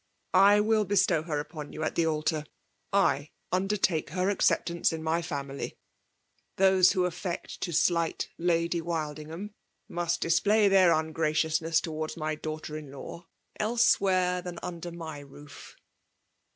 I will bestow her upon you at the altar ;— I undertake her acceptance :in my fitmily: Those who affect to sli^ Lady WHdingham, must display their ungra ciousness towards my dau^ter in^law else where than und^ my roof.